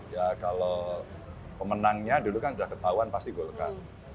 ya kalau pemenangnya dulu kan sudah ketahuan pasti golkar